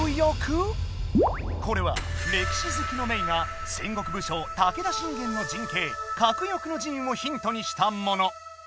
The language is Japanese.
これは歴史好きのメイが戦国武将武田信玄の陣形「鶴翼の陣」をヒントにしたもの。